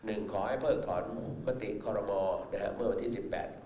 หนึ่งขอให้พศมติครมเมื่อวันที่๑๘บ๕๐